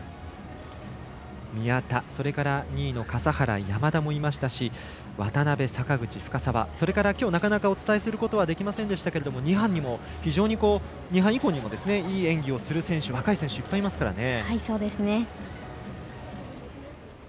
宮田、それから笠原、山田もいましたし渡部深沢、それからなかなかきょうはお伝えすることができませんでしたが２班以降にも非常にいい演技をする若い選手、いっぱいいますからね。